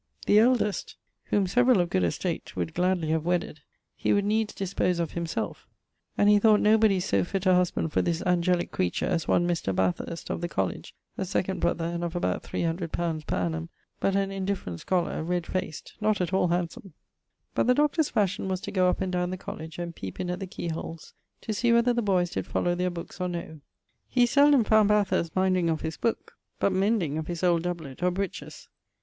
The eldest, whom severall of good estate would gladly have wedded, he would needs dispose of himselfe, and he thought nobody so fitt a husband for this angelique creature as one Mr. Bathurst, of the College, a second brother, and of about 300 li. per annum, but an indifferent scholar, red fac'd, not at all handsome. But the Doctor's fashion was to goe up and down the college, and peepe in at the key holes to see whether the boyes did follow their books or no. He seldome found Bathurst minding of his booke, but mending of his old doublet or breeches.